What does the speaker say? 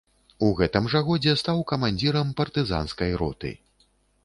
У гэтым жа годзе стаў камандзірам партызанскай роты.